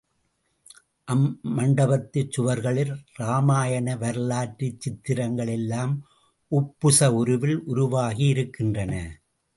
அம் மண்டபத்துச் சுவர்களில் ராமாயண வரலாற்றுச் சித்திரங்கள் எல்லாம் உப்புச உருவில் உருவாகி இருக்கின்றன.